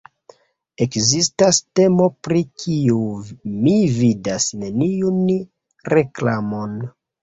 Ekzistas temo pri kiu mi vidas neniun reklamon: